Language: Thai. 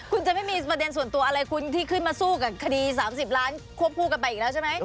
คุณจะไม่มีประเด็นส่วนตัวอะไรคุณที่ขึ้นมาสู้กับคดี๓๐ล้านควบคู่กันไปอีกแล้วใช่ไหม